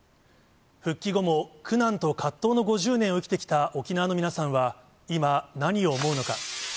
復帰後も苦難と葛藤の５０年を生きてきた沖縄の皆さんは、今、何を思うのか。